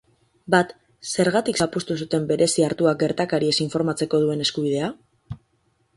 Bat, zergatik zapuztu zuten Bereziartuak gertakariez informatzeko duen eskubidea?